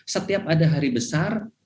setiap ada hari besar